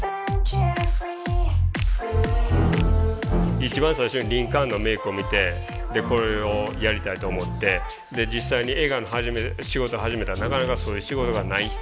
一番最初にリンカーンのメイクを見てこれをやりたいと思ってで実際に映画の仕事始めたらなかなかそういう仕事がない。